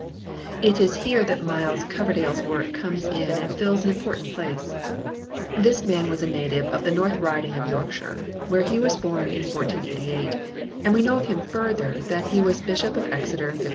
It is here that Miles Coverdale s work comes in and fills an important place. This man was a native of the North Riding of Yorkshire, where he was born in 1488, and we know of him further that he was Bishop of Exeter in 1551.